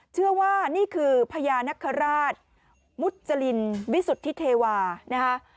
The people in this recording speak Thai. เชื่อว่านี่คือพญานคราชมุจรินวิสุทธิเทวานะคะ